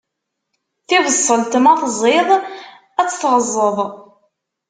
Tibṣelt ma tẓiḍ, ad tt-tɣeẓẓeḍ.